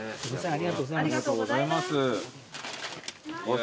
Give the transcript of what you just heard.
ありがとうございます。